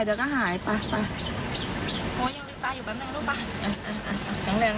เดี๋ยวก็หายไป